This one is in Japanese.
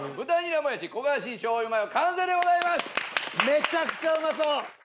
めちゃくちゃうまそう！